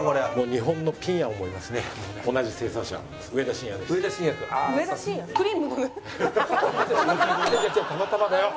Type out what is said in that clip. たまたまだよ。